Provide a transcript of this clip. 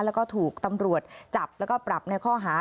แล้วก็ถูกตำรวจจับแล้วก็ปรับในข้อหา